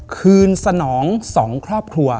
คืนสนอง๒ครอบครัว